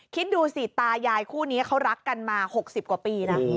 คิดดูสิตายายคู่นี้เขารักกันมา๖๐กว่าปีนะ